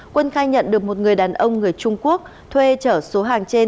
quân khai nhận được một người đàn ông người trung quốc thuê chở số hàng trên